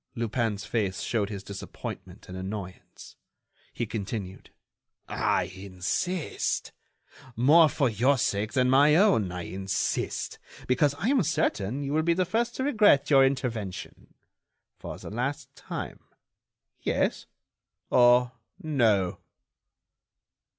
Lupin's face showed his disappointment and annoyance. He continued: "I insist. More for your sake than my own, I insist, because I am certain you will be the first to regret your intervention. For the last time, yes or no?"